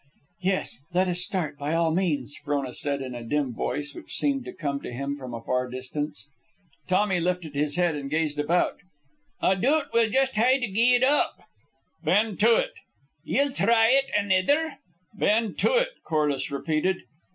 "Yes; let us start, by all means," Frona said in a dim voice, which seemed to come to him from a far distance. Tommy lifted his head and gazed about. "A doot we'll juist hae to gie it oop." "Bend to it!" "Ye'll no try it anither?" "Bend to it!" Corliss repeated.